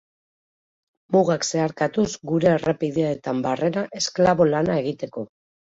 Mugak zeharkatuz gure errepideetan barrena esklabo lana egiteko.